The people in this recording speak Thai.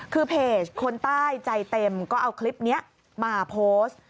คือเพจคนใต้ใจเต็มก็เอาคลิปนี้มาโพสต์